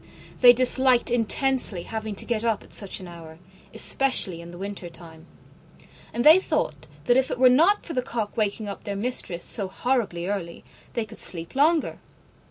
They disliked intensely having to get up at such an hour, especially in winter time: and they thought that if it were not for the cock waking up their Mistress so horribly early, they could sleep longer.